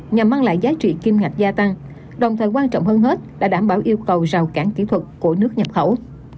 nhằm mang lại giá trị kim ngạch gia tăng đồng thời quan trọng hơn hết là đảm bảo yêu cầu rào cản kỹ thuật của nước nhập khẩu